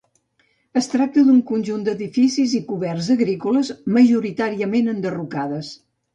Es tracta d'un conjunt d'edificis i coberts agrícoles, majoritàriament enderrocades.